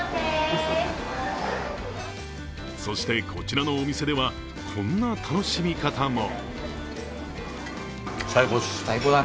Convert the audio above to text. そしてこちらのお店ではこんな楽しみ方も。